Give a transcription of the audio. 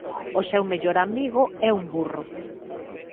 O seu mellor amigo é un burro.